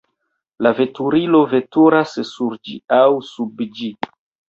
La veturilo veturas sur ĝi aŭ sub ĝi.